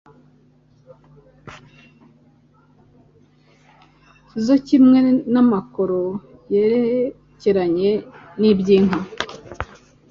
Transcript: zo kimwe n' amakoro yerekeranye n'iby'inka